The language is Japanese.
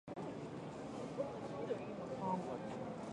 来週ディズニーに行く予定です